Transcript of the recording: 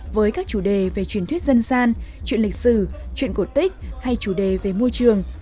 với các chủ đề về truyền thuyết dân gian chuyện lịch sử chuyện cổ tích hay chủ đề về môi trường